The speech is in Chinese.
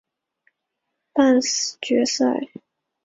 半决赛李云迪的发挥比第二轮更好。